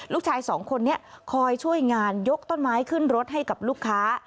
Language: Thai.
ลูกชายสองคนนี้คอยช่วยงานยกต้นไม้ขึ้นรถให้กับลูกค้า